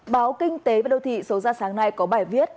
báo kinh tế và đô thị số ra sáng nay có bài viết